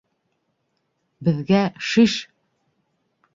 Беҙгә — шиш!